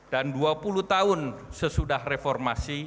dan dua puluh tahun sesudah reformasi